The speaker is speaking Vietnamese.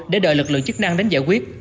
để đợi lực lượng chức năng đến giải quyết